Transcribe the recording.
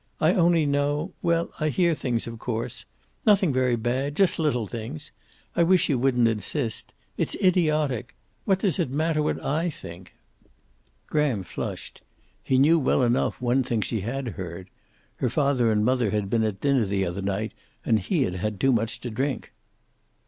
"I only know well, I hear things, of course. Nothing very bad. Just little things. I wish you wouldn't insist. It's idiotic. What does it matter what I think?" Graham flushed. He knew well enough one thing she had heard. Her father and mother had been at dinner the other night, and he had had too much to drink.